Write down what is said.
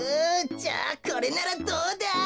じゃあこれならどうだ？